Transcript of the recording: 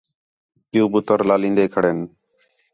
پِیؤ پُتر لالین٘دے کھڑِن